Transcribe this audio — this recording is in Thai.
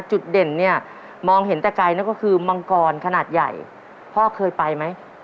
จุดเด่นเนี่ยมองเห็นแต่ไกลนั่นก็คือมังกรขนาดใหญ่พ่อเคยไปไหม